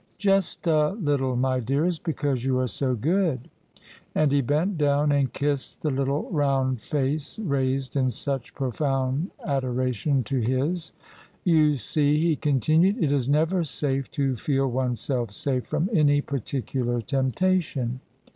"" Just a little, my dearest: because you are so good." And he bent down and kissed the little round face raised in such profound adoration to his. " You see," he continued, " it is never safe to feel oneself safe from any particular tempta tion.